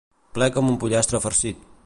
Ple com un pollastre farcit.